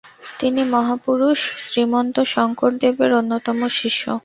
তিনি মহাপুরুষ শ্রীমন্ত শঙ্করদেবের অন্যতম শিষ্য ।